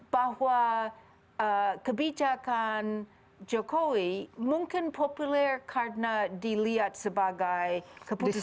bahwa kebijakan jokowi mungkin populer karena dilihat sebagai keputusan